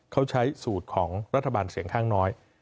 เขาใช้สูตรของรัฐบาลเสียงข้างน้อย